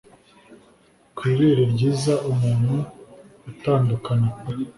Ku ibere ryiza umutima utandukana pe